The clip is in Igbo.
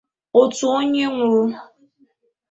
otu onye nwụrụ